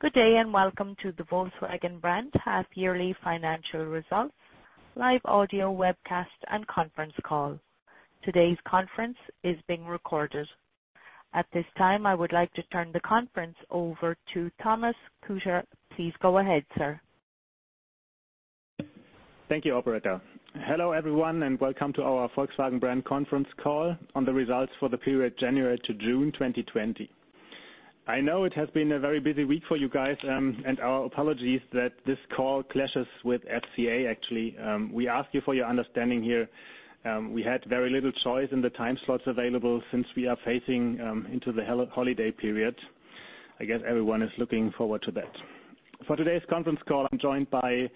Good day. Welcome to the Volkswagen Brand Half-Yearly Financial Results live audio webcast and conference call. Today's conference is being recorded. At this time, I would like to turn the conference over to Thomas Küter. Please go ahead, sir. Thank you, operator. Hello, everyone, and welcome to our Volkswagen Brand conference call on the results for the period January to June 2020. I know it has been a very busy week for you guys. Our apologies that this call clashes with FCA, actually. We ask you for your understanding here. We had very little choice in the time slots available since we are facing into the holiday period. I guess everyone is looking forward to that. For today's conference call, I'm joined by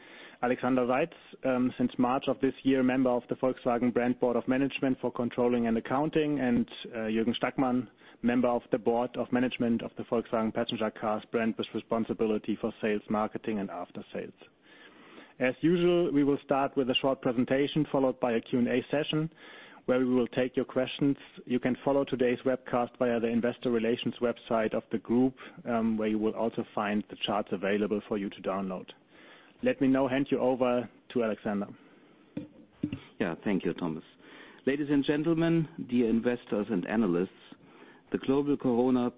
Alexander Seitz, since March of this year, a Member of the Volkswagen Brand Board of Management for Controlling and Accounting, and Jürgen Stackmann, Member of the Board of Management of the Volkswagen Passenger Cars Brand, with responsibility for sales, marketing, and after-sales. As usual, we will start with a short presentation followed by a Q&A session where we will take your questions. You can follow today's webcast via the investor relations website of the Group, where you will also find the charts available for you to download. Let me now hand you over to Alexander. Thank you, Thomas. Ladies and gentlemen, dear investors and analysts, the global corona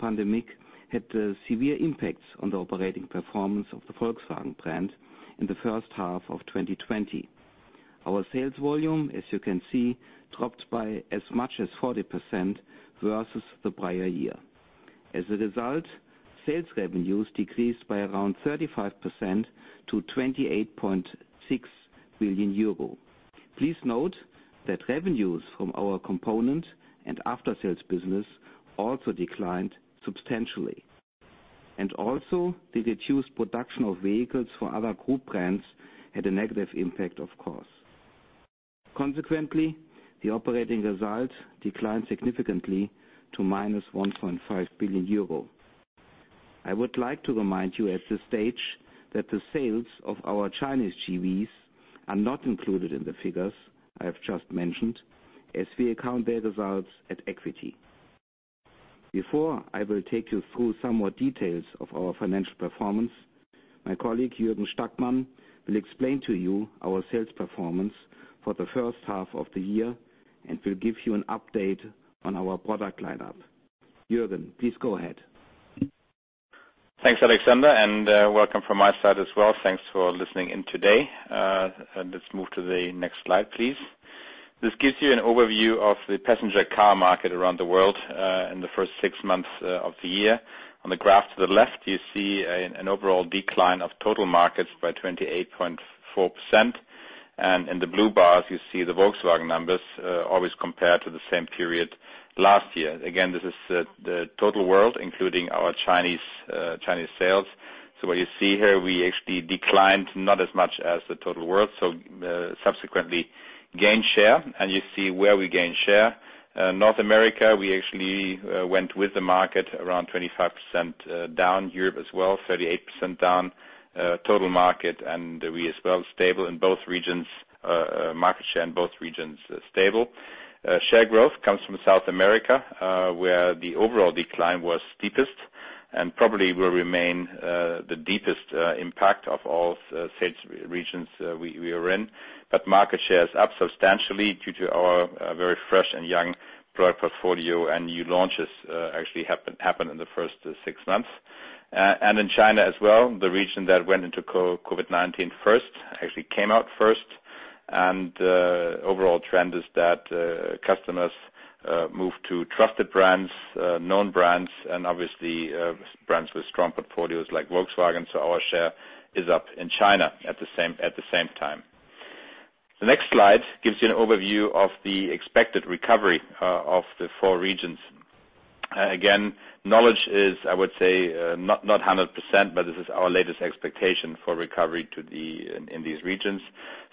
pandemic had severe impacts on the operating performance of the Volkswagen brand in the first half of 2020. Our sales volume, as you can see, dropped by as much as 40% versus the prior year. As a result, sales revenues decreased by around 35% to 28.6 billion euro. Please note that revenues from our component and after-sales business also declined substantially. Also, the reduced production of vehicles for other Group brands had a negative impact, of course. Consequently, the operating result declined significantly to -1.5 billion euro. I would like to remind you at this stage that the sales of our Chinese JVs are not included in the figures I have just mentioned as we account their results at equity. Before I will take you through some more details of our financial performance, my colleague, Jürgen Stackmann, will explain to you our sales performance for the first half of the year and will give you an update on our product lineup. Jürgen, please go ahead. Thanks, Alexander, and welcome from my side as well. Thanks for listening in today. Let's move to the next slide, please. This gives you an overview of the passenger car market around the world in the first six months of the year. On the graph to the left, you see an overall decline of total markets by 28.4%. In the blue bars, you see the Volkswagen numbers always compared to the same period last year. Again, this is the total world, including our Chinese sales. What you see here, we actually declined not as much as the total world, so subsequently gained share. You see where we gained share. North America, we actually went with the market around 25% down. Europe as well, 38% down. Total market and we as well, stable in both regions. Market share in both regions is stable. Share growth comes from South America, where the overall decline was steepest and probably will remain the deepest impact of all sales regions we are in. Market share is up substantially due to our very fresh and young product portfolio and new launches actually happened in the first six months. In China as well, the region that went into COVID-19 first actually came out first. The overall trend is that customers move to trusted brands, known brands, and obviously brands with strong portfolios like Volkswagen. Our share is up in China at the same time. The next slide gives you an overview of the expected recovery of the four regions. Again, knowledge is, I would say, not 100%, but this is our latest expectation for recovery in these regions.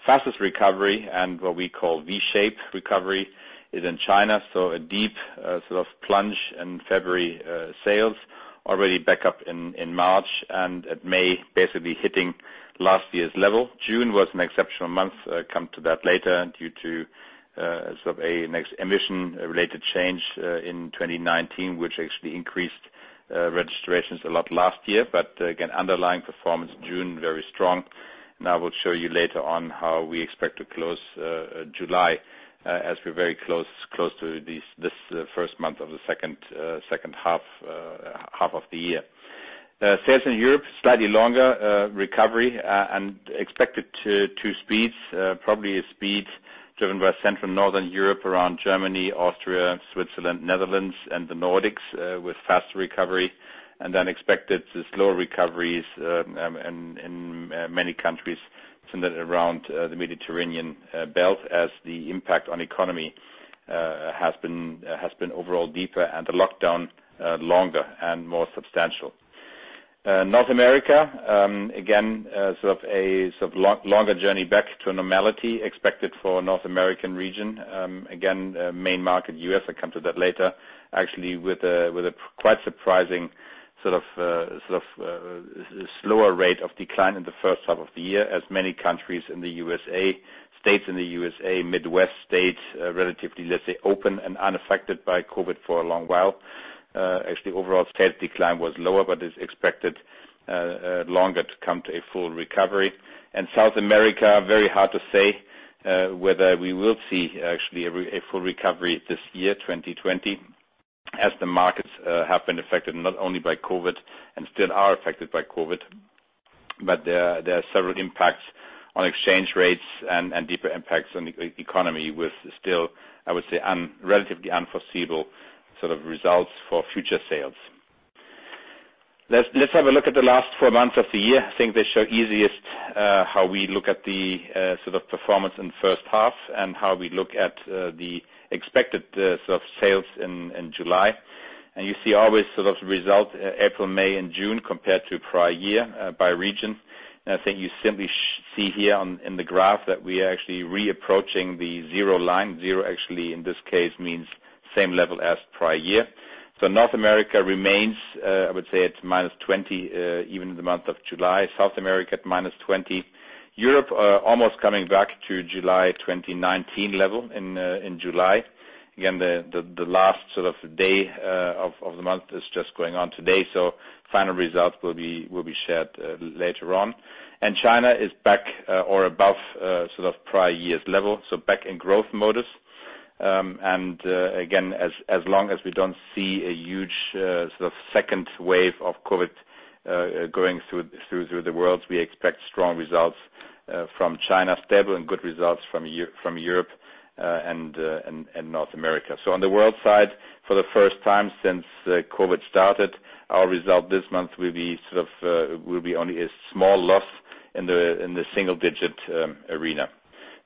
Fastest recovery and what we call V-shape recovery is in China. A deep plunge in February sales, already back up in March, and at May basically hitting last year's level. June was an exceptional month, I'll come to that later, due to a mix emission-related change in 2019, which actually increased registrations a lot last year. Again, underlying performance June, very strong. I will show you later on how we expect to close July as we're very close to this first month of the second half of the year. Sales in Europe, slightly longer recovery and expected two speeds. Probably a speed driven by Central Northern Europe around Germany, Austria, Switzerland, Netherlands, and the Nordics with faster recovery, and then expected slower recoveries in many countries around the Mediterranean Belt as the impact on the economy has been overall deeper and the lockdown longer and more substantial. North America, again, a longer journey back to normality expected for North American region. Again, main market, U.S., I'll come to that later. Actually, with a quite surprising sort of a slower rate of decline in the first half of the year, as many countries in the U.S.A., states in the U.S.A., Midwest states, relatively, let's say, open and unaffected by COVID-19 for a long while. Actually, overall sales decline was lower, but is expected longer to come to a full recovery. South America, very hard to say whether we will see actually a full recovery this year, 2020, as the markets have been affected not only by COVID-19 and still are affected by COVID-19, but there are several impacts on exchange rates and deeper impacts on the economy with still, I would say, relatively unforeseeable results for future sales. Let's have a look at the last four months of the year. I think they show easiest how we look at the performance in the first half and how we look at the expected sales in July. You see always the result April, May, and June compared to prior year by region. I think you simply see here in the graph that we are actually re-approaching the zero line. Zero actually, in this case, means same level as prior year. North America remains, I would say, it's -20% even in the month of July. South America at -20%. Europe, almost coming back to July 2019 level in July. Again, the last day of the month is just going on today, so final results will be shared later on. China is back or above prior year's level, so back in growth modus. Again, as long as we don't see a huge second wave of COVID going through the world, we expect strong results from China, stable and good results from Europe and North America. On the world side, for the first time since COVID started, our result this month will be only a small loss in the single-digit arena.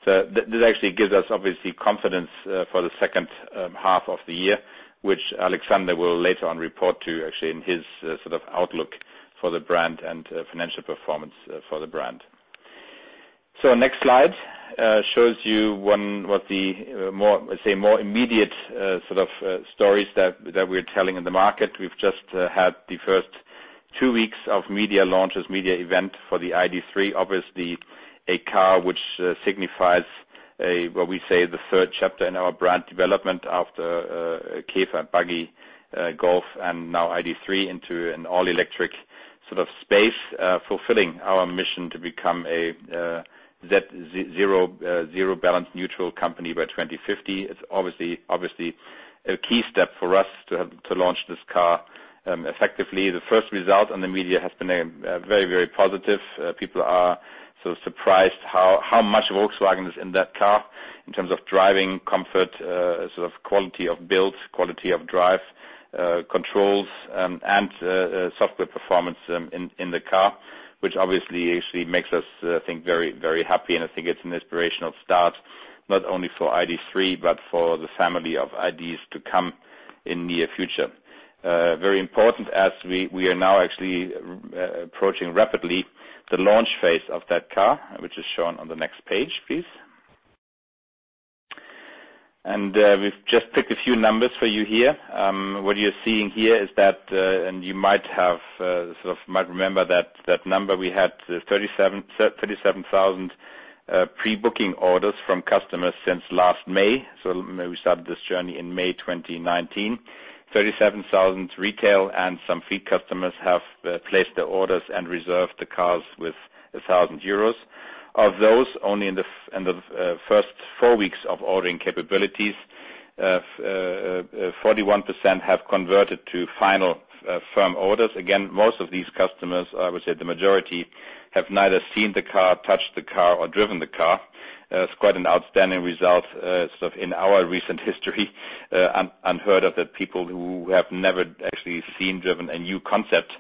This actually gives us, obviously, confidence for the second half of the year, which Alexander will later on report to you actually in his outlook for the brand and financial performance for the brand. Next slide shows you what the more immediate stories that we're telling in the market. We've just had the first two weeks of media launches, media event for the ID.3, obviously a car which signifies, what we say, the third chapter in our brand development after Käfer, Buggy, Golf, and now ID.3 into an all-electric space, fulfilling our mission to become a zero-balance neutral company by 2050. It's obviously a key step for us to launch this car effectively. The first result on the media has been very positive. People are surprised how much Volkswagen is in that car in terms of driving comfort, quality of build, quality of drive, controls, and software performance in the car, which obviously actually makes us, I think, very happy. I think it's an inspirational start, not only for ID.3 but for the family of IDs to come in near future. Very important as we are now actually approaching rapidly the launch phase of that car, which is shown on the next page, please. We've just picked a few numbers for you here. What you're seeing here is that, you might remember that number we had 37,000 pre-booking orders from customers since last May. Remember we started this journey in May 2019. 37,000 retail and some fleet customers have placed their orders and reserved the cars with 1,000 euros. Of those, only in the first four weeks of ordering capabilities, 41% have converted to final firm orders. Again, most of these customers, I would say the majority, have neither seen the car, touched the car, or driven the car. It's quite an outstanding result in our recent history. Unheard of that people who have never actually seen, driven a new concept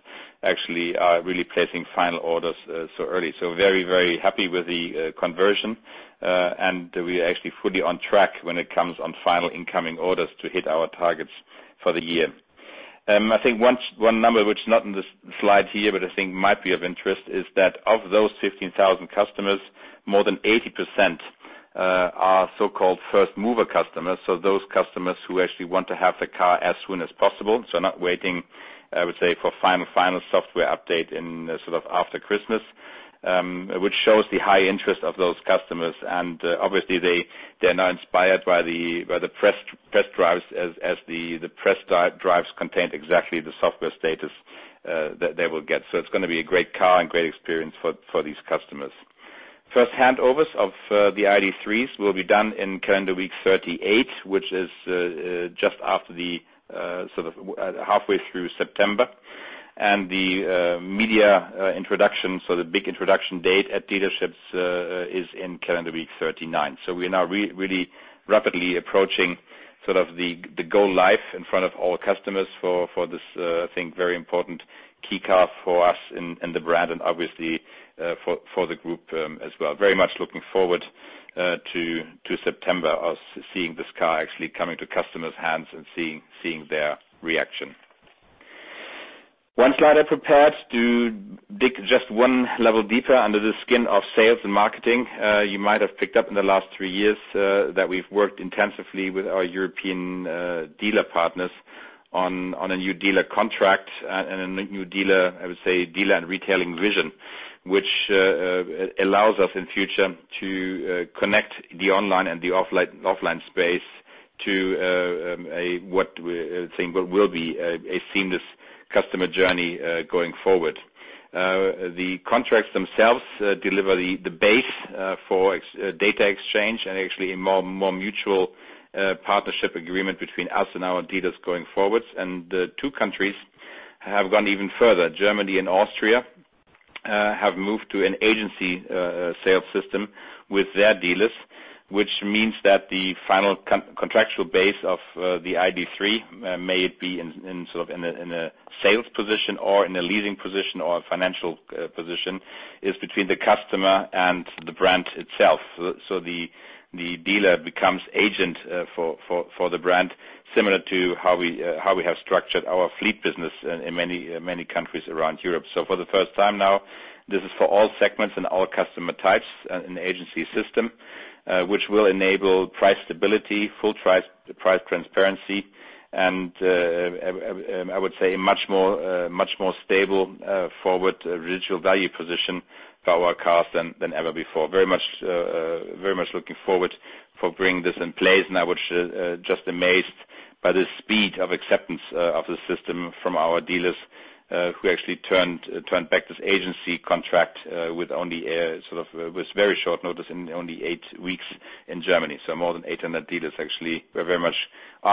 actually are really placing final orders so early. Very happy with the conversion. We are actually fully on track when it comes on final incoming orders to hit our targets for the year. I think one number which is not in the slide here, but I think might be of interest is that of those 15,000 customers, more than 80% are so-called first-mover customers. Those customers who actually want to have the car as soon as possible. Not waiting, I would say, for final software update in after Christmas, which shows the high interest of those customers. Obviously, they are now inspired by the press drives as the press drives contained exactly the software status that they will get. It's going to be a great car and great experience for these customers. First handovers of the ID.3s will be done in calendar week 38, which is just after the halfway through September. The media introduction, so the big introduction date at dealerships, is in calendar week 39. We are now really rapidly approaching the go live in front of all customers for this, I think, very important key car for us and the brand and obviously for the group as well. Very much looking forward to September, us seeing this car actually coming to customers' hands and seeing their reaction. One slide I prepared to dig just one level deeper under the skin of sales and marketing. You might have picked up in the last three years that we've worked intensively with our European dealer partners on a new dealer contract and a new, I would say, dealer and retailing vision. Which allows us in future to connect the online and the offline space to what we think will be a seamless customer journey going forward. The contracts themselves deliver the base for data exchange and actually a more mutual partnership agreement between us and our dealers going forwards. The two countries have gone even further. Germany and Austria have moved to an agency sales system with their dealers, which means that the final contractual base of the ID.3, may it be in a sales position or in a leasing position or a financial position, is between the customer and the brand itself. The dealer becomes agent for the brand, similar to how we have structured our fleet business in many countries around Europe. For the first time now, this is for all segments and all customer types, an agency system which will enable price stability, full price transparency, and, I would say, much more stable forward residual value position for our cars than ever before. Very much looking forward for bringing this in place. I was just amazed by the speed of acceptance of the system from our dealers, who actually turned back this agency contract with very short notice in only eight weeks in Germany. More than 800 dealers actually are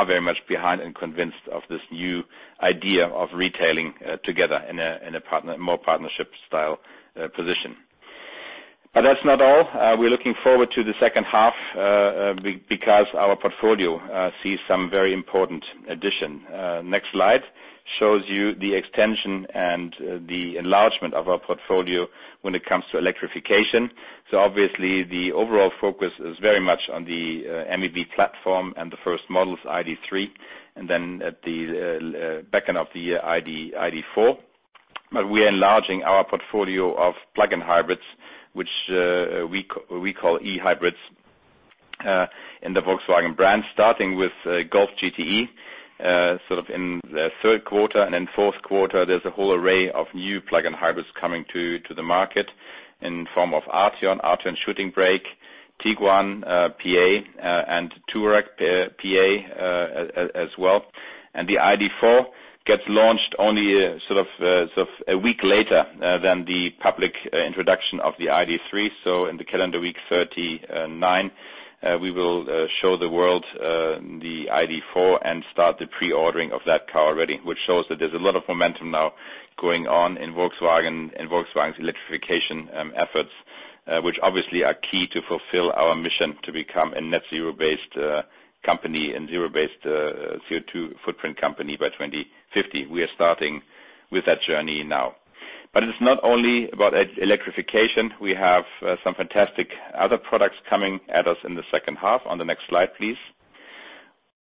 very much behind and convinced of this new idea of retailing together in a more partnership-style position. That's not all. We're looking forward to the second half because our portfolio sees some very important addition. Next slide shows you the extension and the enlargement of our portfolio when it comes to electrification. Obviously the overall focus is very much on the MEB platform and the first models, ID.3, and then at the backend of the ID.4. We are enlarging our portfolio of plug-in hybrids, which we call eHybrid in the Volkswagen brand, starting with Golf GTE in the third quarter. In fourth quarter, there's a whole array of new plug-in hybrids coming to the market in form of Arteon Shooting Brake, Tiguan PA and Touareg PA as well. The ID.4 gets launched only a week later than the public introduction of the ID.3. In the calendar week 39, we will show the world the ID.4 and start the pre-ordering of that car already, which shows that there's a lot of momentum now going on in Volkswagen's electrification efforts. Which obviously are key to fulfill our mission to become a net zero-based company and zero-based CO2 footprint company by 2050. We are starting with that journey now. It's not only about electrification. We have some fantastic other products coming at us in the second half. On the next slide, please.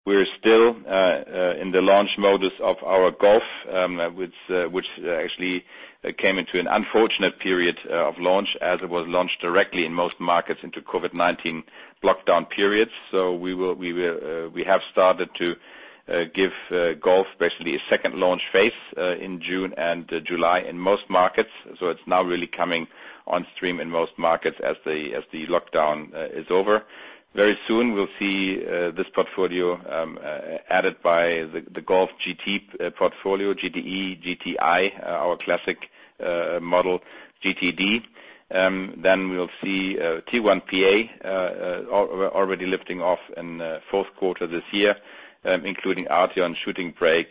We're still in the launch modus of our Golf, which actually came into an unfortunate period of launch as it was launched directly in most markets into COVID-19 lockdown periods. We have started to give Golf basically a second launch phase in June and July in most markets. It's now really coming on stream in most markets as the lockdown is over. Very soon we'll see this portfolio added by the Golf GT portfolio, GTE, GTI, our classic model, GTD. We'll see Tiguan PA already lifting off in fourth quarter this year, including Arteon Shooting Brake,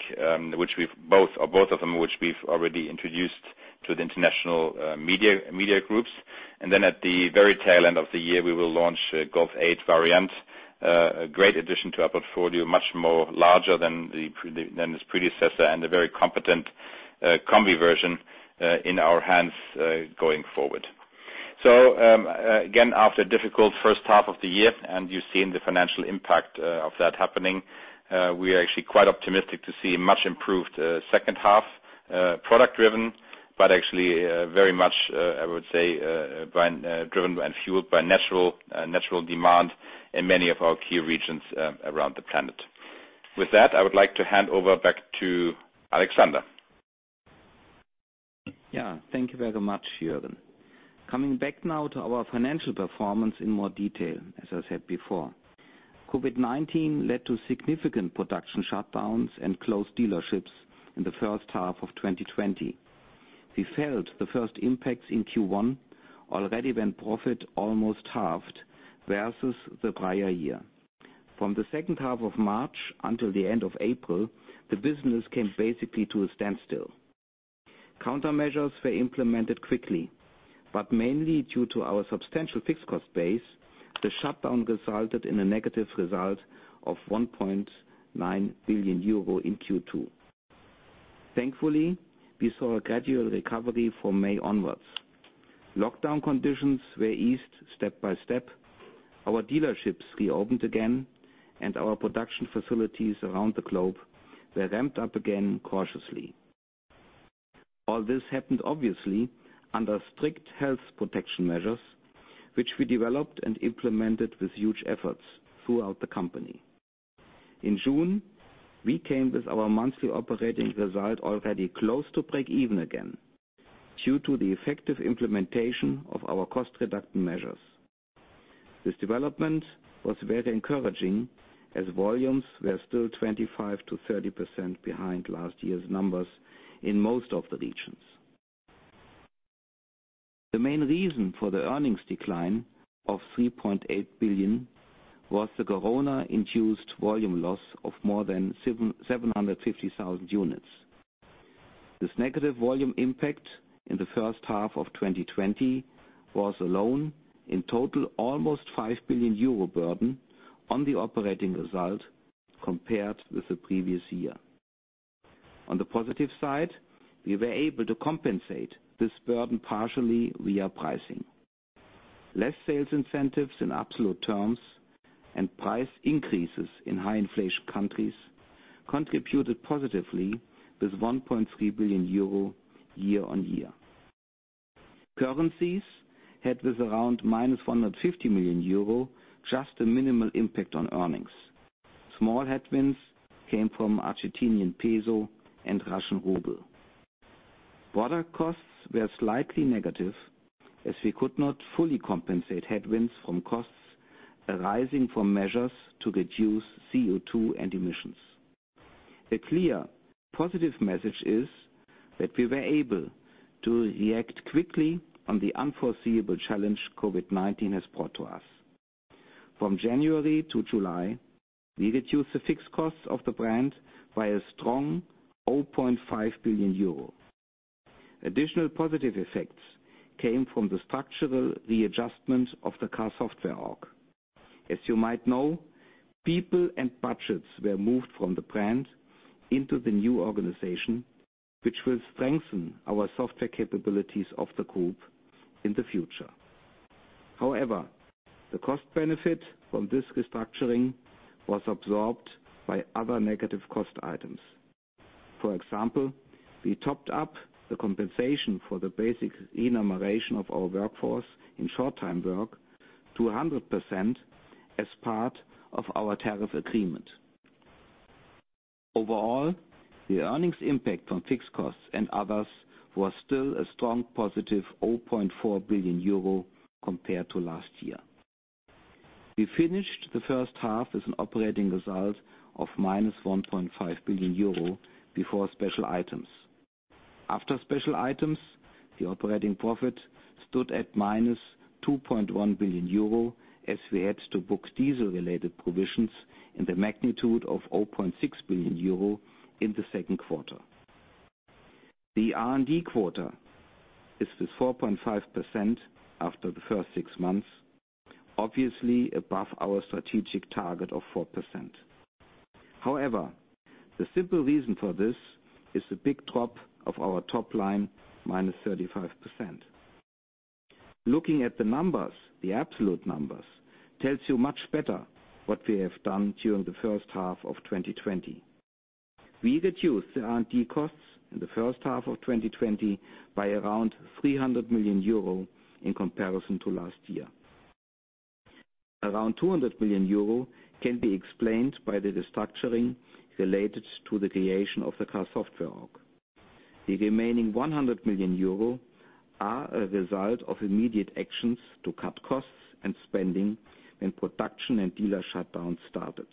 both of them which we've already introduced to the international media groups. At the very tail end of the year, we will launch Golf 8 Variant. A great addition to our portfolio. Much more larger than its predecessor and a very competent combi version in our hands going forward. Again, after a difficult first half of the year, and you've seen the financial impact of that happening, we are actually quite optimistic to see a much improved second half. Product driven, actually very much, I would say, driven and fueled by natural demand in many of our key regions around the planet. With that, I would like to hand over back to Alexander. Thank you very much, Jürgen. Coming back now to our financial performance in more detail. As I said before, COVID-19 led to significant production shutdowns and closed dealerships in the first half of 2020. We felt the first impacts in Q1 already when profit almost halved versus the prior year. From the second half of March until the end of April, the business came basically to a standstill. Countermeasures were implemented quickly, but mainly due to our substantial fixed cost base, the shutdown resulted in a negative result of 1.9 billion euro in Q2. Thankfully, we saw a gradual recovery from May onwards. Lockdown conditions were eased step by step. Our dealerships reopened again, and our production facilities around the globe were ramped up again cautiously. All this happened, obviously, under strict health protection measures, which we developed and implemented with huge efforts throughout the company. In June, we came with our monthly operating result already close to break even again, due to the effective implementation of our cost reduction measures. This development was very encouraging, as volumes were still 25%-30% behind last year's numbers in most of the regions. The main reason for the earnings decline of 3.8 billion was the COVID-induced volume loss of more than 750,000 units. This negative volume impact in the first half of 2020 was alone, in total, almost 5 billion euro burden on the operating result compared with the previous year. On the positive side, we were able to compensate this burden partially via pricing. Less sales incentives in absolute terms and price increases in high inflation countries contributed positively with 1.3 billion euro year on year. Currencies had with around -150 million euro just a minimal impact on earnings. Small headwinds came from Argentinian peso and Russian ruble. Product costs were slightly negative, as we could not fully compensate headwinds from costs arising from measures to reduce CO2 and emissions. A clear positive message is that we were able to react quickly on the unforeseeable challenge COVID-19 has brought to us. From January to July, we reduced the fixed costs of the brand by a strong 0.5 billion euro. Additional positive effects came from the structural readjustment of the Car.Software Org. As you might know, people and budgets were moved from the brand into the new organization, which will strengthen our software capabilities of the group in the future. However, the cost benefit from this restructuring was absorbed by other negative cost items. For example, we topped up the compensation for the basic remuneration of our workforce in short-time work to 100% as part of our tariff agreement. Overall, the earnings impact on fixed costs and others was still a strong +0.4 billion euro compared to last year. We finished the first half as an operating result of -1.5 billion euro before special items. After special items, the operating profit stood at -2.1 billion euro, as we had to book diesel-related provisions in the magnitude of 0.6 billion euro in the second quarter. The R&D quota is with 4.5% after the first six months, obviously above our strategic target of 4%. However, the simple reason for this is the big drop of our top line, -35%. Looking at the numbers, the absolute numbers, tells you much better what we have done during the first half of 2020. We reduced the R&D costs in the first half of 2020 by around 300 million euro in comparison to last year. Around 200 million euro can be explained by the restructuring related to the creation of the Car.Software Org. The remaining 100 million euro are a result of immediate actions to cut costs and spending when production and dealer shutdown started.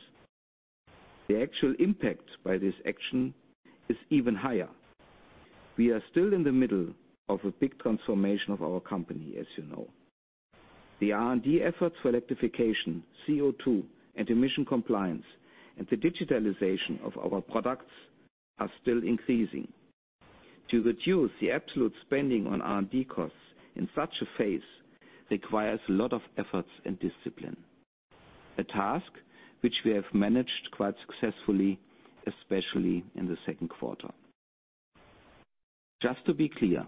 The actual impact by this action is even higher. We are still in the middle of a big transformation of our company, as you know. The R&D efforts for electrification, CO2, and emission compliance, and the digitalization of our products are still increasing. To reduce the absolute spending on R&D costs in such a phase requires a lot of efforts and discipline, a task which we have managed quite successfully, especially in the second quarter. Just to be clear,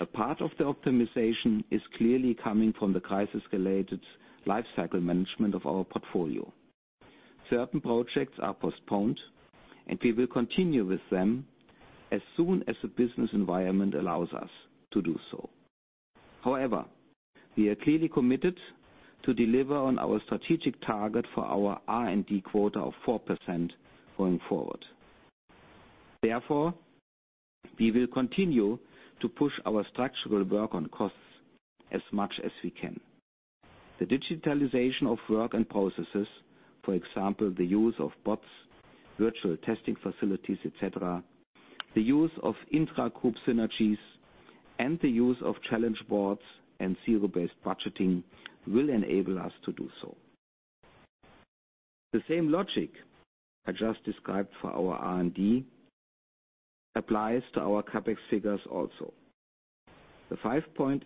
a part of the optimization is clearly coming from the crisis-related life cycle management of our portfolio. Certain projects are postponed, and we will continue with them as soon as the business environment allows us to do so. We are clearly committed to deliver on our strategic target for our R&D quota of 4% going forward. We will continue to push our structural work on costs as much as we can. The digitalization of work and processes, for example, the use of bots, virtual testing facilities, etc., the use of intra-group synergies, and the use of challenge boards and zero-based budgeting will enable us to do so. The same logic I just described for our R&D applies to our CapEx figures also. The 5.8%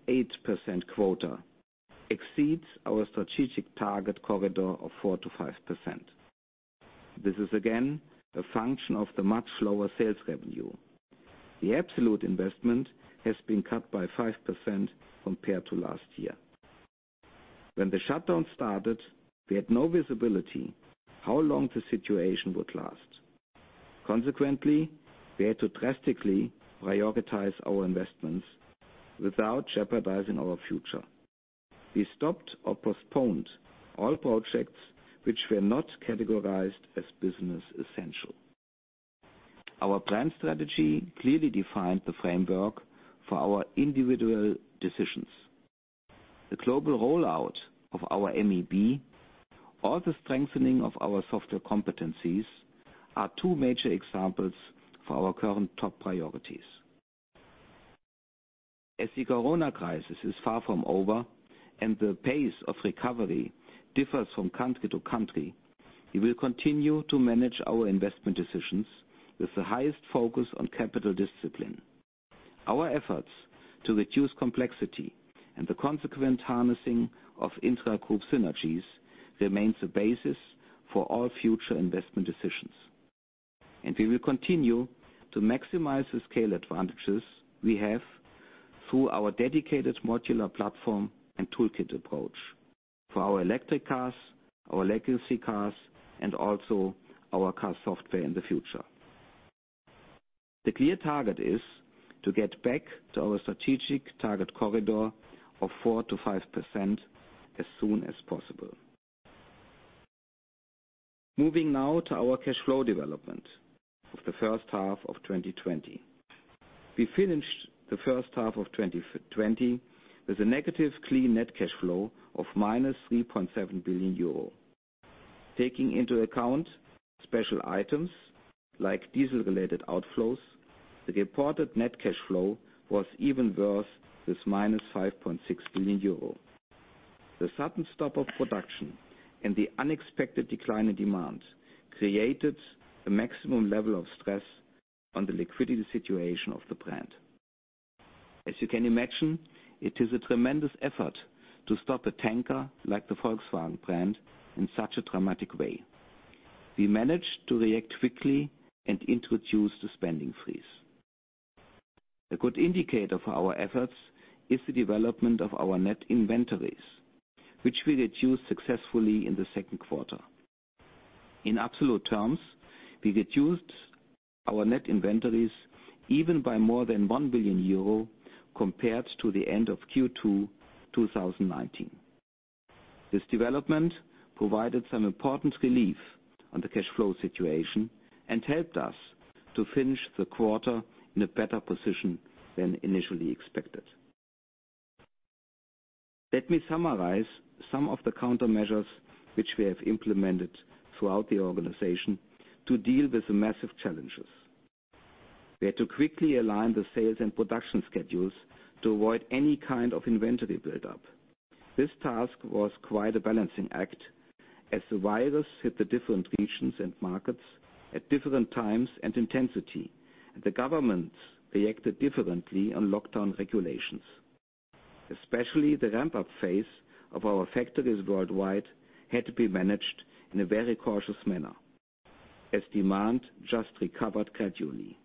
quota exceeds our strategic target corridor of 4%-5%. This is, again, a function of the much lower sales revenue. The absolute investment has been cut by 5% compared to last year. When the shutdown started, we had no visibility how long the situation would last. Consequently, we had to drastically prioritize our investments without jeopardizing our future. We stopped or postponed all projects which were not categorized as business essential. Our brand strategy clearly defined the framework for our individual decisions. The global rollout of our MEB, or the strengthening of our software competencies, are two major examples for our current top priorities. As the corona crisis is far from over and the pace of recovery differs from country to country, we will continue to manage our investment decisions with the highest focus on capital discipline. Our efforts to reduce complexity and the consequent harnessing of intra-group synergies remains the basis for all future investment decisions. We will continue to maximize the scale advantages we have through our dedicated modular platform and toolkit approach for our electric cars, our legacy cars, and also our car software in the future. The clear target is to get back to our strategic target corridor of 4%-5% as soon as possible. Moving now to our cash flow development of the first half of 2020. We finished the first half of 2020 with a negative clean net cash flow of -3.7 billion euro. Taking into account special items like diesel related outflows, the reported net cash flow was even worse with -5.6 billion euro. The sudden stop of production and the unexpected decline in demand created a maximum level of stress on the liquidity situation of the brand. As you can imagine, it is a tremendous effort to stop a tanker like the Volkswagen brand in such a dramatic way. We managed to react quickly and introduce the spending freeze. A good indicator for our efforts is the development of our net inventories, which we reduced successfully in the second quarter. In absolute terms, we reduced our net inventories even by more than 1 billion euro compared to the end of Q2 2019. This development provided some important relief on the cash flow situation and helped us to finish the quarter in a better position than initially expected. Let me summarize some of the countermeasures which we have implemented throughout the organization to deal with the massive challenges. We had to quickly align the sales and production schedules to avoid any kind of inventory buildup. This task was quite a balancing act, as the virus hit the different regions and markets at different times and intensity, and the governments reacted differently on lockdown regulations. Especially the ramp-up phase of our factories worldwide had to be managed in a very cautious manner, as demand just recovered gradually.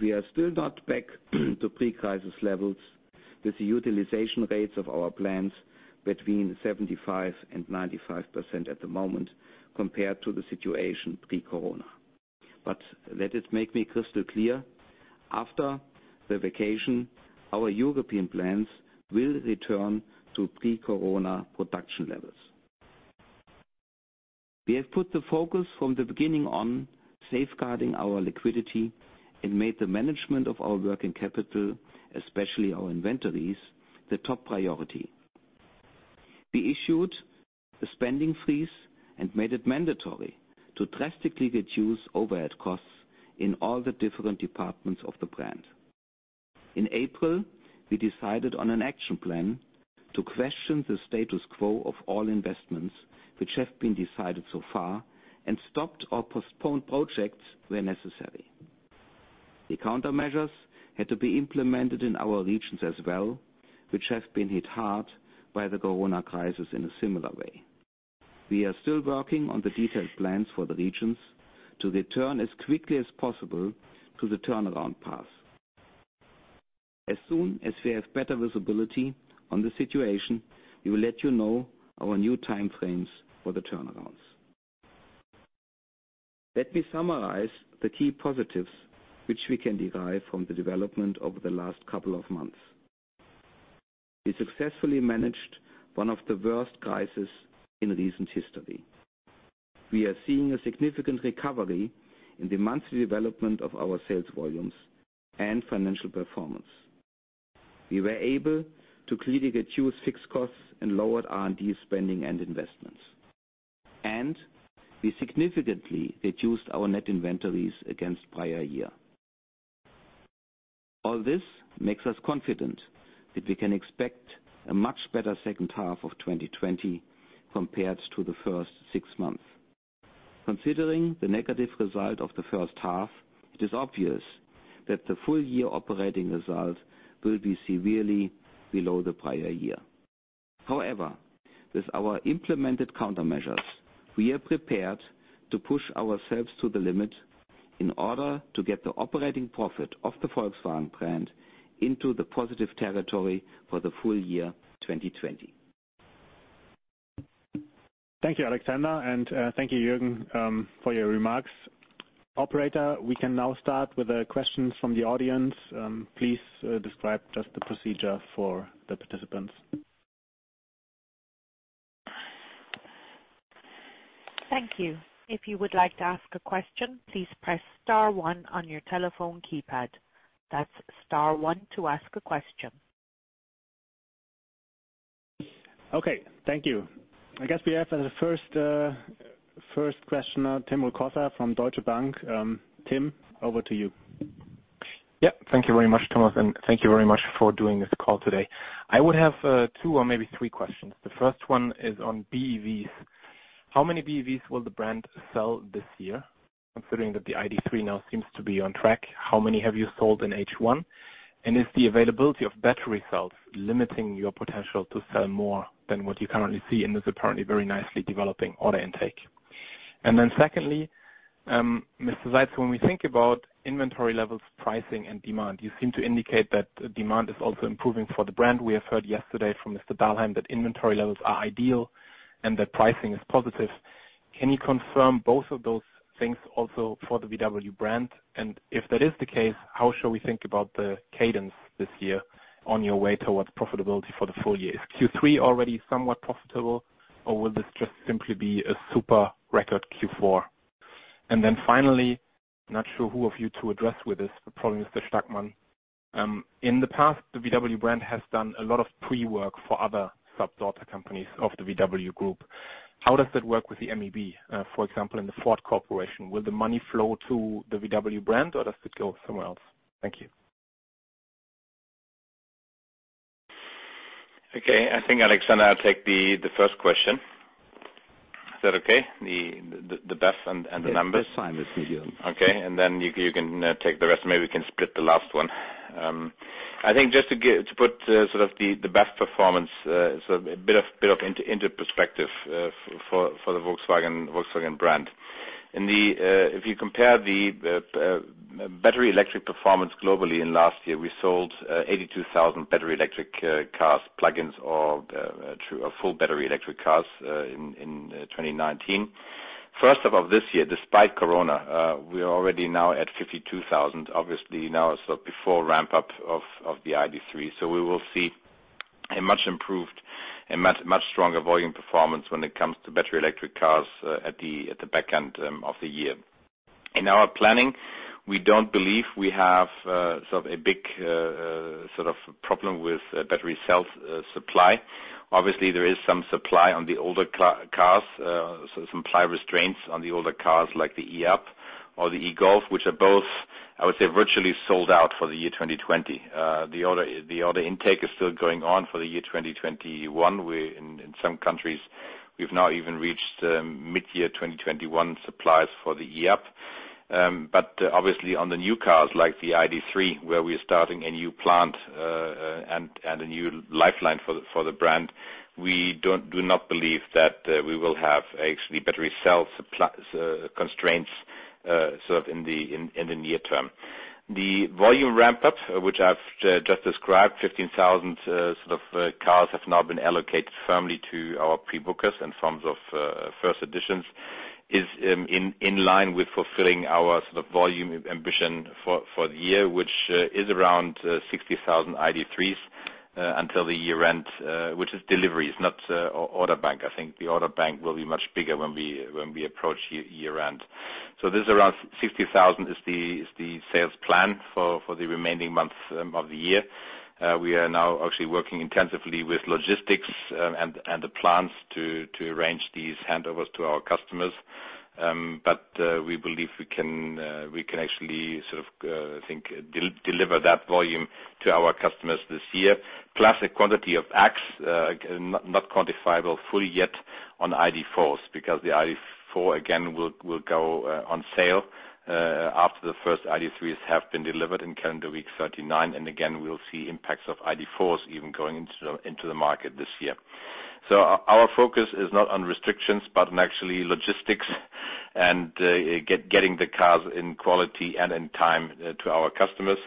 We are still not back to pre-crisis levels with the utilization rates of our plants between 75% and 95% at the moment compared to the situation pre-corona. Let it make me crystal clear, after the vacation, our European plants will return to pre-corona production levels. We have put the focus from the beginning on safeguarding our liquidity and made the management of our working capital, especially our inventories, the top priority. We issued a spending freeze and made it mandatory to drastically reduce overhead costs in all the different departments of the brand. In April, we decided on an action plan to question the status quo of all investments which have been decided so far and stopped or postponed projects where necessary. The countermeasures had to be implemented in our regions as well, which have been hit hard by the Corona crisis in a similar way. We are still working on the detailed plans for the regions to return as quickly as possible to the turnaround path. As soon as we have better visibility on the situation, we will let you know our new time frames for the turnarounds. Let me summarize the key positives which we can derive from the development over the last couple of months. We successfully managed one of the worst crises in recent history. We are seeing a significant recovery in the monthly development of our sales volumes and financial performance. We were able to clearly reduce fixed costs and lowered R&D spending and investments. We significantly reduced our net inventories against prior year. All this makes us confident that we can expect a much better second half of 2020 compared to the first six months. Considering the negative result of the first half, it is obvious that the full year operating result will be severely below the prior year. With our implemented countermeasures, we are prepared to push ourselves to the limit in order to get the operating profit of the Volkswagen brand into the positive territory for the full year 2020. Thank you, Alexander, and thank you Jürgen, for your remarks. Operator, we can now start with the questions from the audience. Please describe just the procedure for the participants. Thank you. If you would like to ask a question, please press star one on your telephone keypad. That's star one to ask a question. Okay. Thank you. I guess we have the first question, Tim Rokossa from Deutsche Bank. Tim, over to you. Yep. Thank you very much, Thomas, and thank you very much for doing this call today. I would have two or maybe three questions. The first one is on BEVs. How many BEVs will the brand sell this year, considering that the ID.3 now seems to be on track? How many have you sold in H1? Is the availability of battery cells limiting your potential to sell more than what you currently see in this apparently very nicely developing order intake? Secondly, Mr. Seitz, when we think about inventory levels, pricing, and demand, you seem to indicate that demand is also improving for the brand. We have heard yesterday from Mr. Dahlheim that inventory levels are ideal and that pricing is positive. Can you confirm both of those things also for the VW brand? If that is the case, how should we think about the cadence this year on your way towards profitability for the full year? Is Q3 already somewhat profitable, or will this just simply be a super record Q4? Finally, not sure who of you to address with this, but probably Mr. Stackmann. In the past, the VW brand has done a lot of pre-work for other sub-daughter companies of the VW Group. How does that work with the MEB, for example, in the Ford Motor Company? Will the money flow to the VW brand, or does it go somewhere else? Thank you. Okay. I think Alexander will take the first question. Is that okay? The BEV and the numbers. Yes. That's fine, Mr. Jürgen. Okay. You can take the rest. Maybe we can split the last one. I think just to put the BEV performance into perspective for the Volkswagen brand. If you compare the battery electric performance globally in last year, we sold 82,000 battery electric cars, plug-ins, or full battery electric cars in 2019. First half of this year, despite corona, we are already now at 52,000, obviously now before ramp up of the ID.3. We will see a much improved and much stronger volume performance when it comes to battery electric cars at the back end of the year. In our planning, we don't believe we have a big problem with battery cell supply. Obviously, there is some supply on the older cars, some supply restraints on the older cars like the e-up! or the e-Golf, which are both, I would say, virtually sold out for the year 2020. The order intake is still going on for the year 2021. In some countries, we've now even reached mid-year 2021 supplies for the e-up! Obviously on the new cars like the ID.3, where we are starting a new plant and a new lifeline for the brand, we do not believe that we will have actually battery cell supply constraints in the near term. The volume ramp up, which I've just described, 15,000 cars have now been allocated firmly to our pre-bookers in terms of 1st Edition, is in line with fulfilling our volume ambition for the year, which is around 60,000 ID.3s until the year end, which is deliveries, not order bank. I think the order bank will be much bigger when we approach year end. This around 60,000 is the sales plan for the remaining months of the year. We are now actually working intensively with logistics and the plants to arrange these handovers to our customers. We believe we can actually deliver that volume to our customers this year. Plus a quantity of X, not quantifiable fully yet on ID.4s, because the ID.4 again will go on sale after the first ID.3s have been delivered in calendar week 39. Again, we'll see impacts of ID.4s even going into the market this year. Our focus is not on restrictions, but on actually logistics and getting the cars in quality and in time to our customers.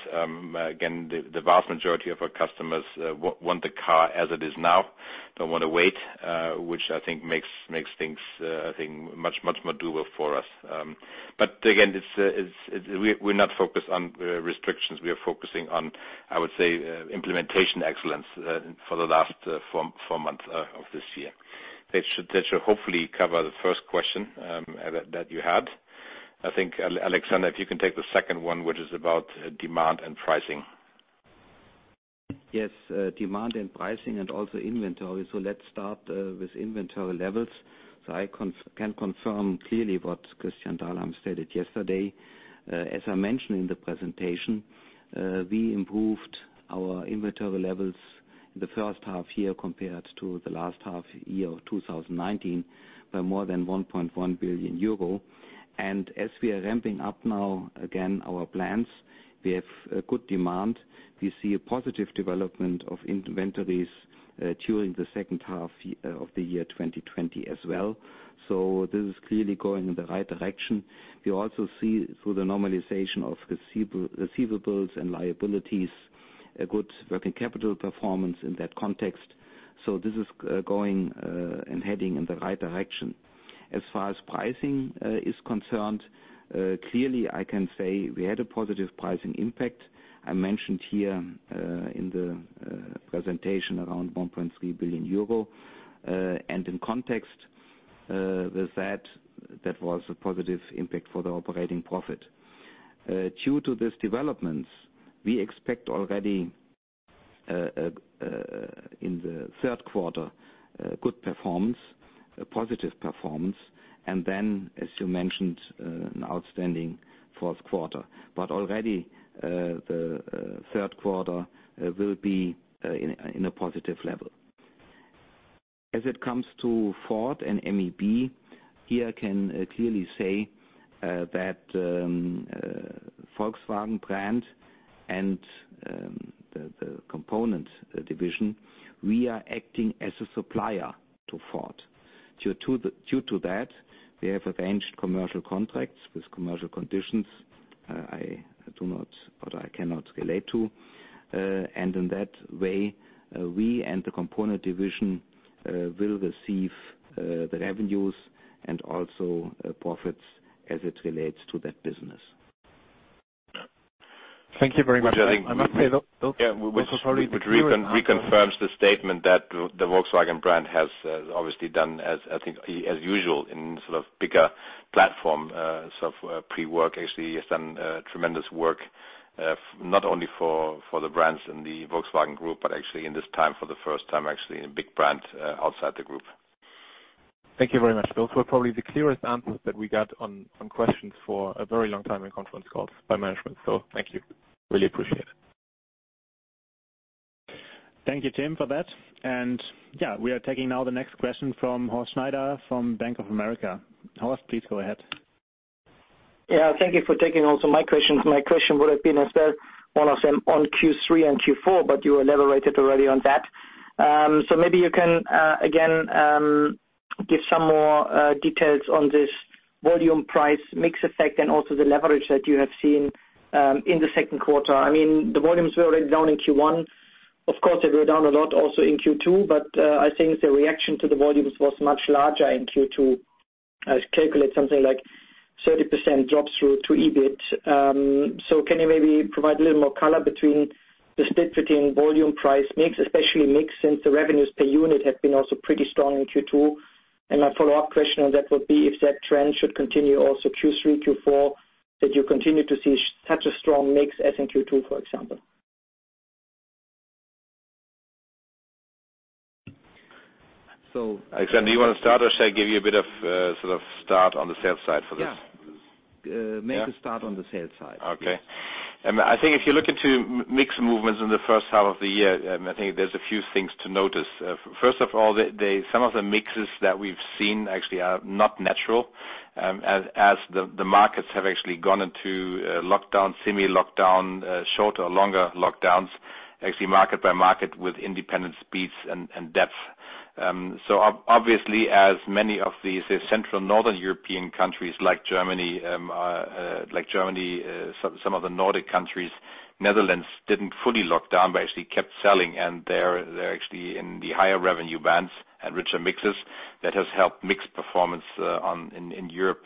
Again, the vast majority of our customers want the car as it is now, don't want to wait, which I think makes things much more doable for us. Again, we're not focused on restrictions. We are focusing on, I would say, implementation excellence for the last four months of this year. That should hopefully cover the first question that you had. I think, Alexander, if you can take the second one, which is about demand and pricing. Demand and pricing and also inventory. Let's start with inventory levels. I can confirm clearly what Christian Dahlheim stated yesterday. As I mentioned in the presentation, we improved our inventory levels in the first half year compared to the last half year of 2019 by more than 1.1 billion euro. As we are ramping up now, again, our plans, we have a good demand. We see a positive development of inventories during the second half of the year 2020 as well. This is clearly going in the right direction. We also see through the normalization of receivables and liabilities, a good working capital performance in that context. This is going and heading in the right direction. As far as pricing is concerned, clearly I can say we had a positive pricing impact. I mentioned here in the presentation around 1.3 billion euro. In context with that was a positive impact for the operating profit. Due to these developments, we expect already in the third quarter a good performance, a positive performance. Then, as you mentioned, an outstanding fourth quarter. Already, the third quarter will be in a positive level. As it comes to Ford and MEB, here I can clearly say that Volkswagen brand and the Component division, we are acting as a supplier to Ford. Due to that, we have arranged commercial contracts with commercial conditions I cannot relate to. In that way, we and the Component division will receive the revenues and also profits as it relates to that business. Thank you very much. I must say, those were probably the clearest. Which reconfirms the statement that the Volkswagen brand has obviously done as usual in sort of bigger platform, pre-work actually has done tremendous work, not only for the brands in the Volkswagen Group, but actually in this time for the first time actually in a big brand outside the group. Thank you very much, Jürgen. Those were probably the clearest answers that we got on some questions for a very long time in conference calls by management. Thank you. Really appreciate it. Thank you, Tim, for that. Yeah, we are taking now the next question from Horst Schneider from Bank of America. Horst, please go ahead. Yeah. Thank you for taking also my questions. My question would have been as well one of them on Q3 and Q4, but you elaborated already on that. Maybe you can, again, give some more details on this volume price mix effect and also the leverage that you have seen in the second quarter. The volumes were already down in Q1. Of course, they were down a lot also in Q2, but I think the reaction to the volumes was much larger in Q2. I calculate something like 30% drop through to EBIT. Can you maybe provide a little more color between the split between volume price mix, especially mix, since the revenues per unit have been also pretty strong in Q2. My follow-up question on that would be if that trend should continue also Q3, Q4, that you continue to see such a strong mix as in Q2, for example. So- Alexander, do you want to start or should I give you a bit of sort of start on the sales side for this? Yeah. Make a start on the sales side. Okay. I think if you look into mix movements in the first half of the year, I think there's a few things to notice. First of all, some of the mixes that we've seen actually are not natural, as the markets have actually gone into lockdown, semi-lockdown, shorter or longer lockdowns, actually market by market with independent speeds and depth. Obviously as many of these central northern European countries like Germany, some of the Nordic countries, Netherlands didn't fully lock down, but actually kept selling and they're actually in the higher revenue bands and richer mixes. That has helped mix performance in Europe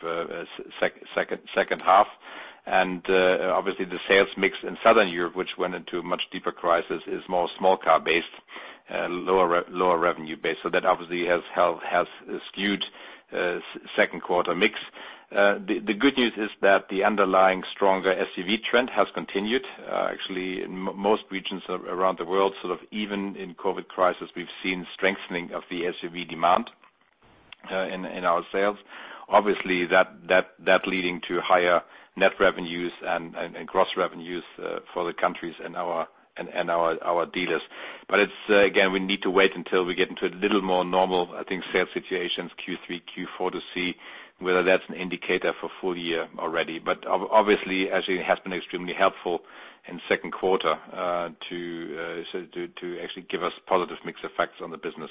second half. Obviously the sales mix in Southern Europe, which went into a much deeper crisis, is more small car-based, lower revenue base. That obviously has skewed second quarter mix. The good news is that the underlying stronger SUV trend has continued. Actually, in most regions around the world, even in COVID-19 crisis, we've seen strengthening of the SUV demand in our sales. Obviously that leading to higher net revenues and gross revenues for the countries and our dealers. Again, we need to wait until we get into a little more normal, I think, sales situations, Q3, Q4, to see whether that's an indicator for full year already. Obviously, actually it has been extremely helpful in second quarter to actually give us positive mix effects on the business.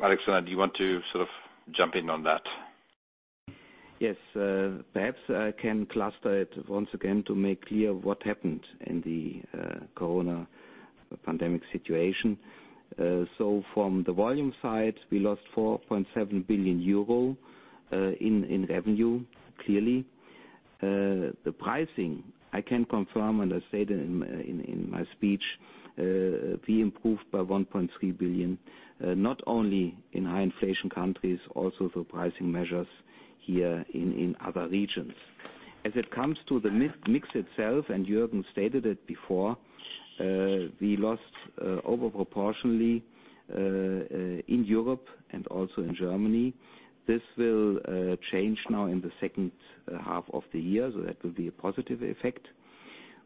Alexander, do you want to jump in on that? Yes. Perhaps I can cluster it once again to make clear what happened in the corona pandemic situation. From the volume side, we lost 4.7 billion euro in revenue, clearly. The pricing, I can confirm, and I said in my speech, we improved by 1.3 billion, not only in high inflation countries, also through pricing measures here in other regions. As it comes to the mix itself, and Jürgen stated it before, we lost over proportionally in Europe and also in Germany. This will change now in the second half of the year, so that will be a positive effect.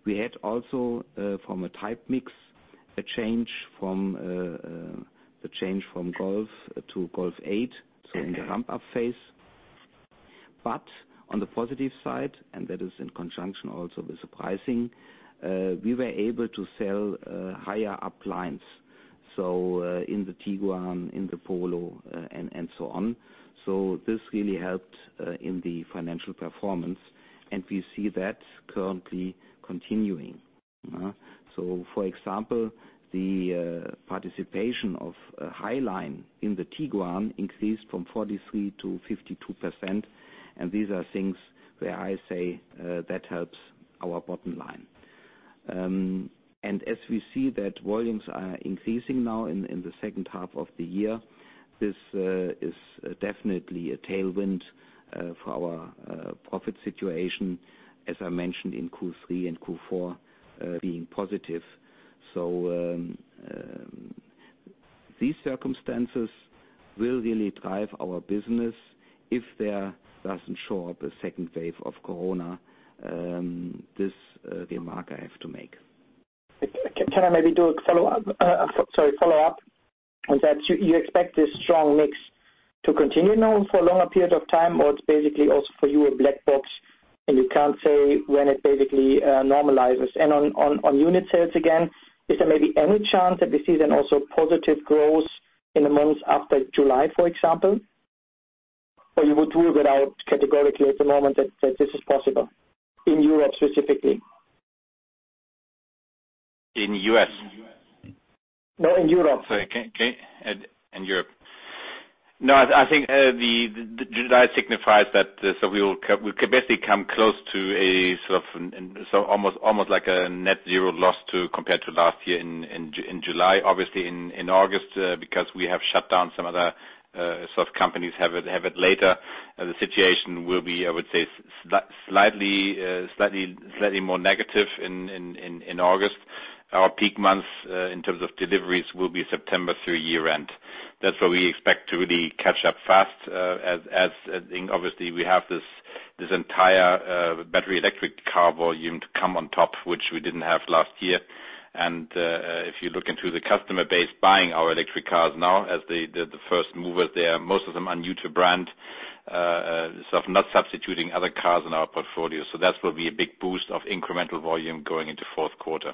We had also from a type mix, the change from Golf to Golf 8, so in the ramp-up phase. On the positive side, and that is in conjunction also with the pricing, we were able to sell higher up lines. In the Tiguan, in the Polo, and so on. This really helped in the financial performance, and we see that currently continuing. For example, the participation of Highline in the Tiguan increased from 43%-52%, and these are things where I say that helps our bottom line. As we see that volumes are increasing now in the second half of the year, this is definitely a tailwind for our profit situation, as I mentioned in Q3 and Q4 being positive. These circumstances will really drive our business if there doesn't show up a second wave of COVID. This remark I have to make. Can I maybe do a follow-up? You expect this strong mix to continue now for a longer period of time, or it's basically also for you a black box, and you can't say when it basically normalizes? On unit sales again, is there maybe any chance that we see then also positive growth in the months after July, for example? You would rule that out categorically at the moment that this is possible in Europe specifically? In U.S. No, in Europe. Sorry. In Europe. I think July signifies that we basically come close to almost like a net zero loss compared to last year in July. In August, because we have shut down some other companies have it later. The situation will be, I would say, slightly more negative in August. Our peak months in terms of deliveries will be September through year-end. That's where we expect to really catch up fast as we have this entire battery electric car volume to come on top, which we didn't have last year. If you look into the customer base buying our electric cars now as the first movers there, most of them are new to brand, so not substituting other cars in our portfolio. That will be a big boost of incremental volume going into fourth quarter.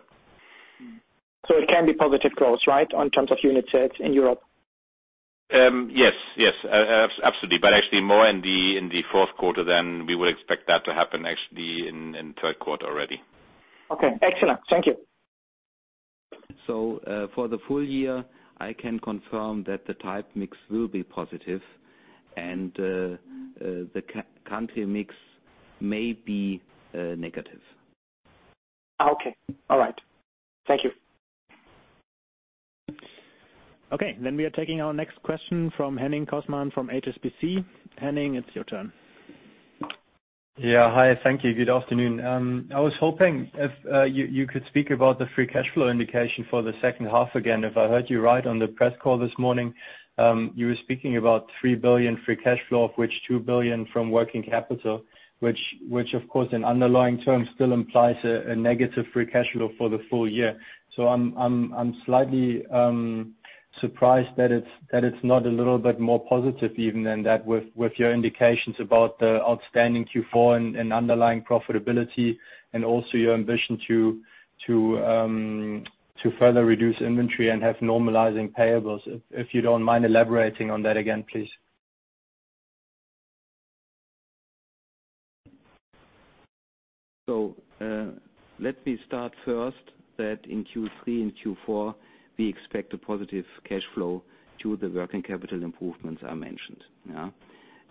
It can be positive growth, right? In terms of unit sales in Europe. Yes. Absolutely. Actually more in the fourth quarter than we would expect that to happen actually in third quarter already. Okay. Excellent. Thank you. For the full year, I can confirm that the type mix will be positive and the country mix may be negative. Okay. All right. Thank you. We are taking our next question from Henning Cosman from HSBC. Henning, it's your turn. Yeah. Hi. Thank you. Good afternoon. I was hoping if you could speak about the free cash flow indication for the second half again. If I heard you right on the press call this morning, you were speaking about 3 billion free cash flow, of which 2 billion from working capital, which of course in underlying terms still implies a negative free cash flow for the full year. I'm slightly surprised that it's not a little bit more positive even than that with your indications about the outstanding Q4 and underlying profitability and also your ambition to further reduce inventory and have normalizing payables. If you don't mind elaborating on that again, please. Let me start first that in Q3 and Q4, we expect a positive cash flow to the working capital improvements I mentioned.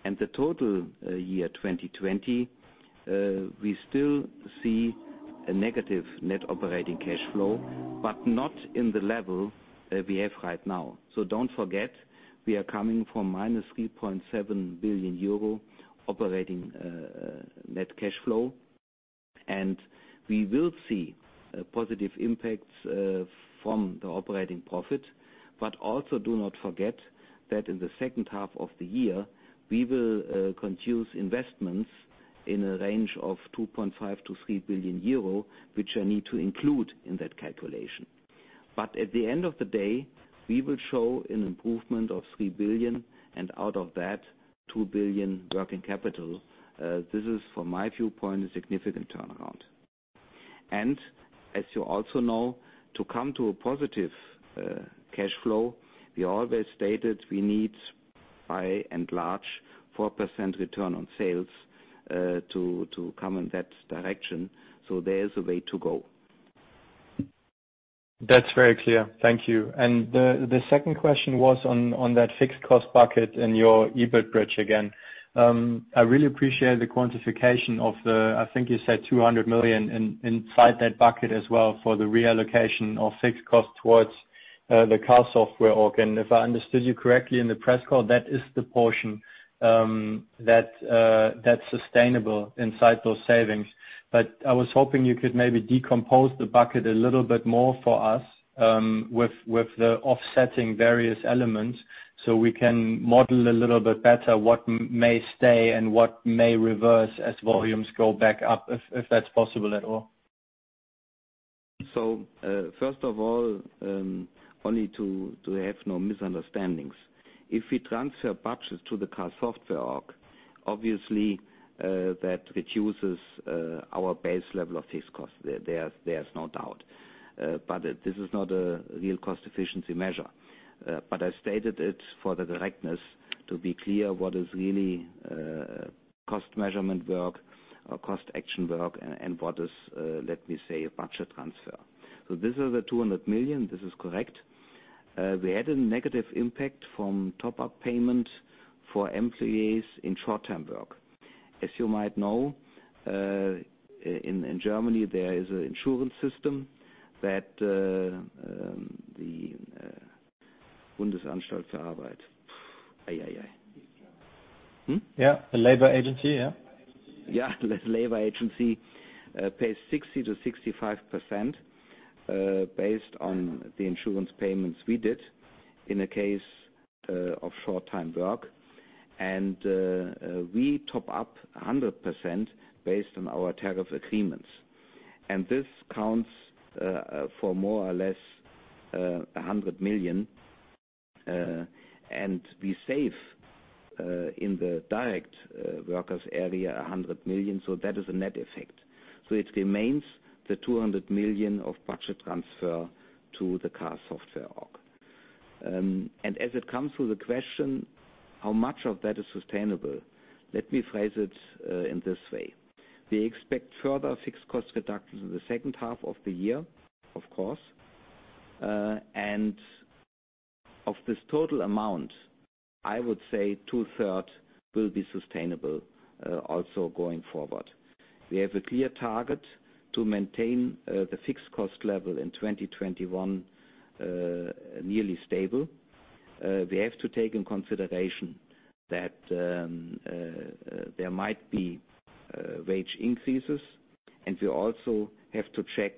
The total year 2020, we still see a negative net operating cash flow, but not in the level we have right now. Don't forget, we are coming from minus 3.7 billion euro operating net cash flow, and we will see positive impacts from the operating profit. Also do not forget that in the second half of the year, we will continue investments in a range of 2.5 billion-3 billion euro, which I need to include in that calculation. At the end of the day, we will show an improvement of 3 billion and out of that, 2 billion working capital. This is from my viewpoint, a significant turnaround. As you also know, to come to a positive cash flow, we always stated we need by and large 4% return on sales to come in that direction. There is a way to go. That's very clear. Thank you. The second question was on that fixed cost bucket in your EBIT bridge again. I really appreciate the quantification of the, I think you said 200 million inside that bucket as well for the reallocation of fixed cost towards the Car.Software Org. If I understood you correctly in the press call, that is the portion that's sustainable inside those savings. I was hoping you could maybe decompose the bucket a little bit more for us with the offsetting various elements so we can model a little bit better what may stay and what may reverse as volumes go back up, if that's possible at all. First of all, only to have no misunderstandings. If we transfer budgets to the Car.Software Org, obviously, that reduces our base level of fixed cost. There's no doubt. This is not a real cost efficiency measure. I stated it for the correctness to be clear what is really cost measurement work or cost action work and what is, let me say, a budget transfer. This is the 200 million. This is correct. We had a negative impact from top-up payment for employees in short-time work. As you might know, in Germany there is an insurance system that the- Yeah. The labor agency, yeah. The labor agency pays 60%-65% based on the insurance payments we did in a case of short-time work. We top up 100% based on our tariff agreements. This counts for more or less 100 million. We save in the direct workers area 100 million. That is a net effect. It remains the 200 million of budget transfer to the Car.Software Org. As it comes to the question, how much of that is sustainable? Let me phrase it in this way. We expect further fixed cost reductions in the second half of the year, of course. Of this total amount, I would say two-third will be sustainable also going forward. We have a clear target to maintain the fixed cost level in 2021 nearly stable. We have to take in consideration that there might be wage increases, and we also have to check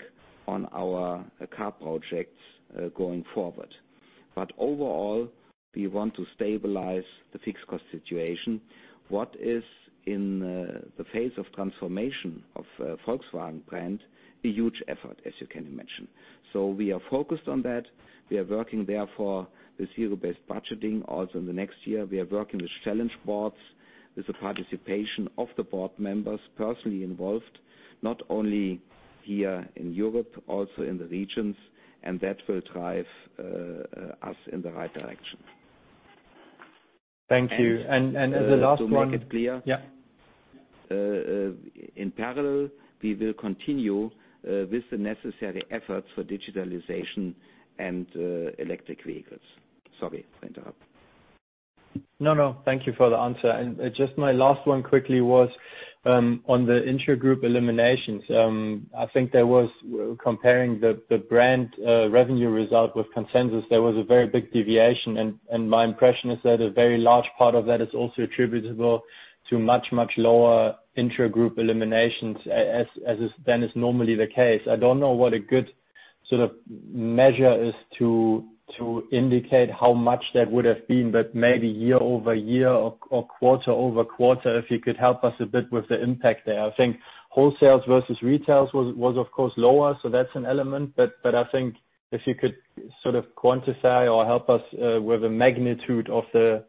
on our car projects going forward. Overall, we want to stabilize the fixed cost situation. What is in the phase of transformation of Volkswagen brand, a huge effort, as you can imagine. We are focused on that. We are working therefore with zero-based budgeting also in the next year. We are working with challenge boards, with the participation of the board members personally involved, not only here in Europe, also in the regions, and that will drive us in the right direction. Thank you. The last one. To make it clear. Yeah. In parallel, we will continue with the necessary efforts for digitalization and electric vehicles. Sorry for interrupt. No, no. Thank you for the answer. Just my last one quickly was on the intra-group eliminations. I think there was comparing the brand revenue result with consensus. There was a very big deviation, and my impression is that a very large part of that is also attributable to much, much lower intra-group eliminations as then is normally the case. I don't know what a good measure is to indicate how much that would have been, but maybe year-over-year or quarter-over-quarter, if you could help us a bit with the impact there. I think wholesales versus retails was of course lower, so that's an element. I think if you could quantify or help us with the magnitude of the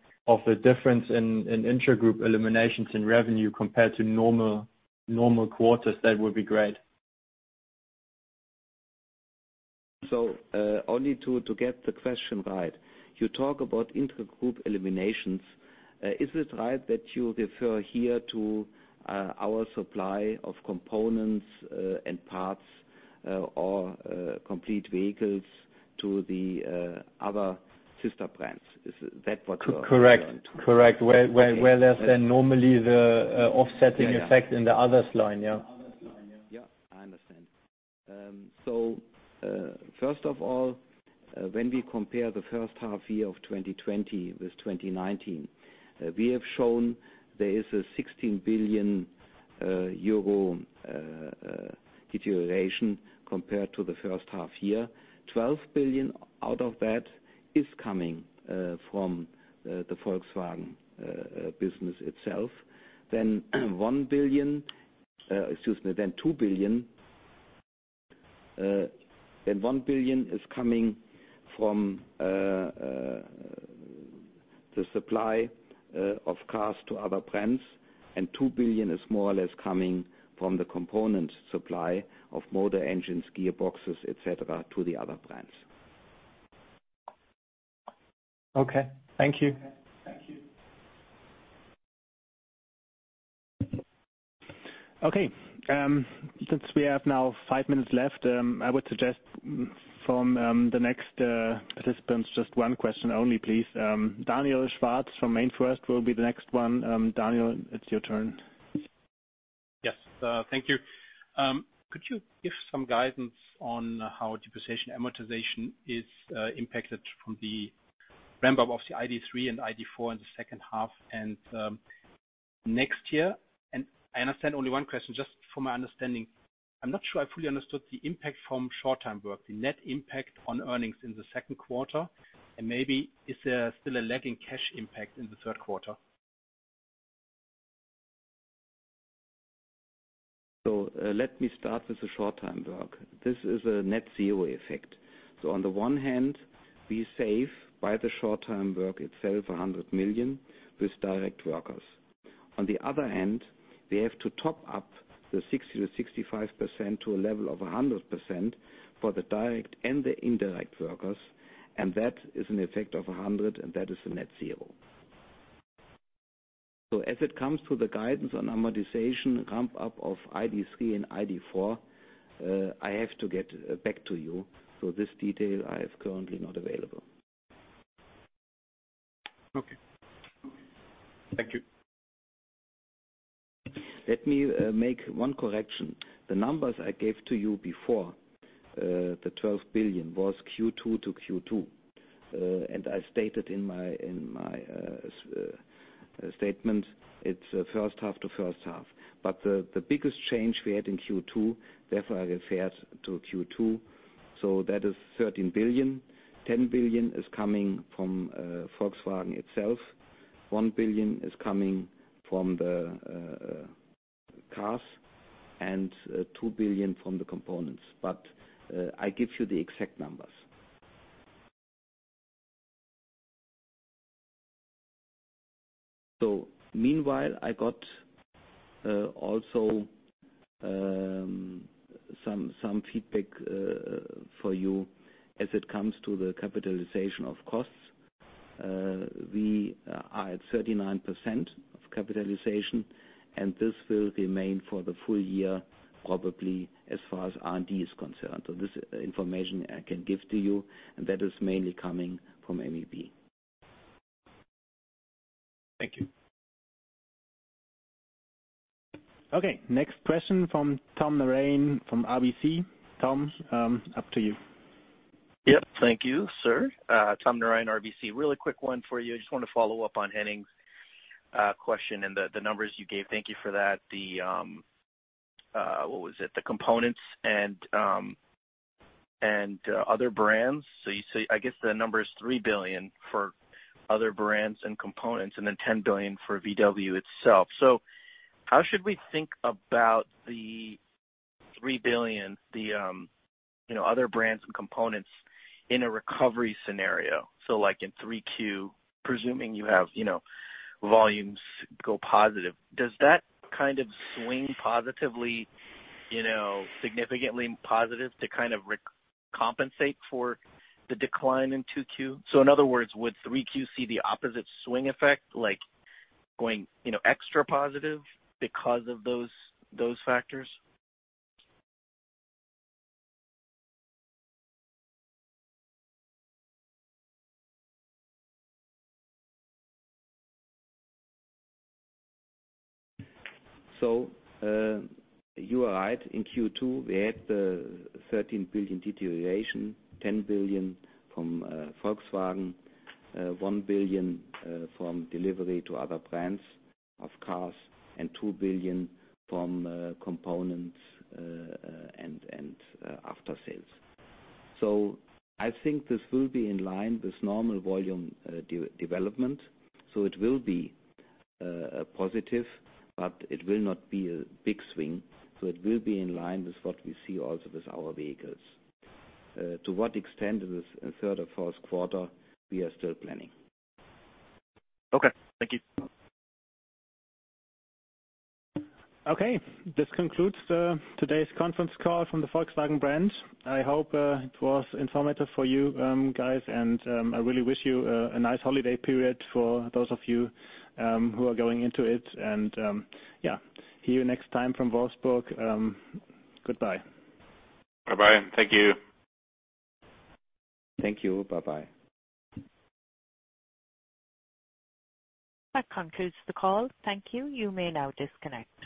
difference in intra-group eliminations in revenue compared to normal quarters, that would be great. Only to get the question right. You talk about intra-group eliminations. Is it right that you refer here to our supply of components and parts or complete vehicles to the other sister brands? Is that what you are? Correct. Where there's normally the offsetting effect in the others line, yeah. Yeah, I understand. First of all, when we compare the first half year of 2020 with 2019, we have shown there is a 16 billion euro deterioration compared to the first half year. 12 billion out of that is coming from the Volkswagen business itself. 2 billion. 1 billion is coming from the supply of cars to other brands, and 2 billion is more or less coming from the component supply of motor engines, gearboxes, et cetera, to the other brands. Okay. Thank you. Thank you. Okay. Since we have now five minutes left, I would suggest from the next participants, just one question only, please. Daniel Schwarz from Stifel Financial will be the next one. Daniel, it's your turn. Yes. Thank you. Could you give some guidance on how depreciation amortization is impacted from the ramp-up of the ID.3 and ID.4 in the second half and next year? I understand only one question, just for my understanding. I'm not sure I fully understood the impact from short-time work, the net impact on earnings in the second quarter, and maybe is there still a lagging cash impact in the third quarter? Let me start with the short-time work. This is a net zero effect. On the one hand, we save by the short-time work itself, 100 million with direct workers. On the other hand, we have to top up the 60% to 65% to a level of 100% for the direct and the indirect workers, and that is an effect of 100 million, and that is a net zero. As it comes to the guidance on amortization ramp-up of ID.3 and ID.4, I have to get back to you. This detail is currently not available. Okay. Thank you. Let me make one correction. The numbers I gave to you before, the 12 billion, was Q2 to Q2. I stated in my statement, it's first half to first half. The biggest change we had in Q2, therefore I referred to Q2, so that is 13 billion. 10 billion is coming from Volkswagen itself, 1 billion is coming from the cars, and 2 billion from the components. I give you the exact numbers. Meanwhile, I got also some feedback for you as it comes to the capitalization of costs. We are at 39% of capitalization, and this will remain for the full year, probably as far as R&D is concerned. This information I can give to you, and that is mainly coming from MEB. Thank you. Okay, next question from Tom Narayan from RBC. Tom, up to you. Thank you, sir. Tom Narayan, RBC. Really quick one for you. I just want to follow up on Henning's question and the numbers you gave. Thank you for that. What was it? The components and other brands. I guess the number is 3 billion for other brands and components, and then 10 billion for VW itself. How should we think about the 3 billion, the other brands and components in a recovery scenario? Like in 3Q, presuming you have volumes go positive, does that kind of swing positively, significantly positive to kind of compensate for the decline in 2Q? In other words, would 3Q see the opposite swing effect, like going extra positive because of those factors? You are right. In Q2, we had the 13 billion deterioration, 10 billion from Volkswagen, 1 billion from delivery to other brands of cars, and 2 billion from components and after sales. I think this will be in line with normal volume development. It will be positive, but it will not be a big swing. It will be in line with what we see also with our vehicles. To what extent in the third or fourth quarter, we are still planning. Okay, thank you. Okay. This concludes today's conference call from the Volkswagen brand. I hope it was informative for you guys, and I really wish you a nice holiday period for those of you who are going into it. Yeah, see you next time from Wolfsburg. Goodbye. Bye-bye. Thank you. Thank you. Bye-bye. That concludes the call. Thank you. You may now disconnect.